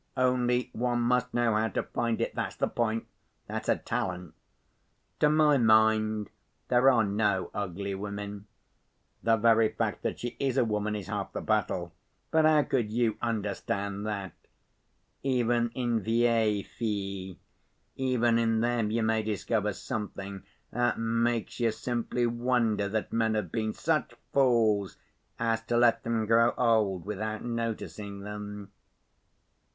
Only, one must know how to find it, that's the point! That's a talent! To my mind there are no ugly women. The very fact that she is a woman is half the battle ... but how could you understand that? Even in vieilles filles, even in them you may discover something that makes you simply wonder that men have been such fools as to let them grow old without noticing them.